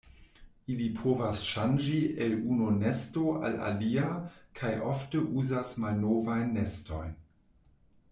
Ili povas ŝanĝi el unu nesto al alia kaj ofte uzas malnovajn nestojn.